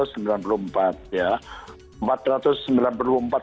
empat ratus sembilan puluh empat sudah tua sekali kita itu